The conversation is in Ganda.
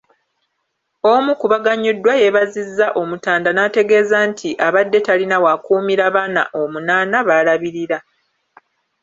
Omu ku baganyuddwa yeebazizza Omutanda n’ategeeza nti abadde talina w’akuumira baana omunaana b’alabirira.